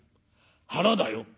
腹だよ。